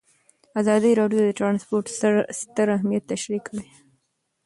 ازادي راډیو د ترانسپورټ ستر اهميت تشریح کړی.